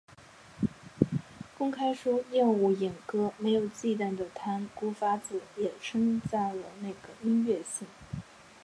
公开说厌恶演歌没有忌惮的淡谷法子也称赞了那个音乐性。